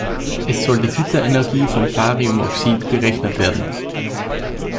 Es soll die Gitterenergie von Bariumoxid berechnet werden.